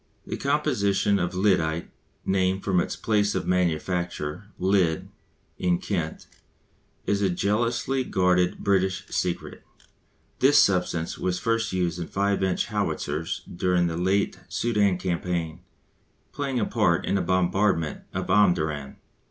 The composition of lyddite (named from its place of manufacture, Lydd, in Kent) is a jealously guarded British secret. This substance was first used in 5 inch howitzers during the late Soudan campaign, playing a part in the bombardment of Omdurman.